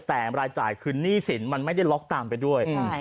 แต่รายจ่ายคือหนี้สินมันไม่ได้ล็อกตามไปด้วย